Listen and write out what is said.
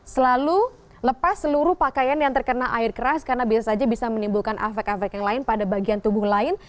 selalu lepas seluruh pakaian yang terkena air keras karena biasanya bisa menimbulkan efek efek yang lain pada bagian tubuh lain